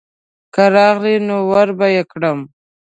که راغله نو وربه یې کړم.